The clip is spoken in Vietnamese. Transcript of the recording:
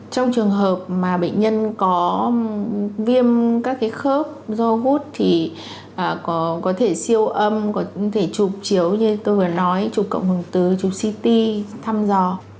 trong trường hợp mà bệnh nhân có viêm các cái khớp do hút thì có thể siêu âm có thể chụp chiếu như tôi vừa nói chụp cộng phần tứ chụp ct thăm dò